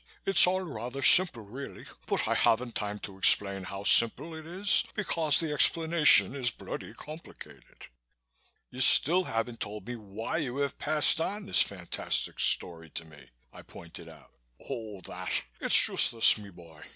It's all rather simple, really, but I haven't time to explain how simple it is because the explanation is bloody complicated." "You still haven't told me why you have passed on this fantastic story to me," I pointed out. "Oh, that? It's just this, my boy.